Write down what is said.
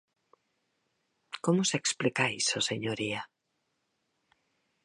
¿Como se explica iso, señoría?